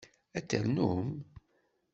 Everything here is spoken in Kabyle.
Ad ternum?